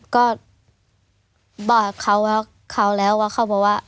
ก็บอกเขาแล้วว่าเขาบอกว่า